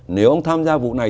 nếu ông tham gia vụ này